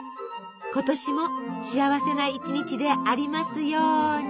今年も幸せな一日でありますように！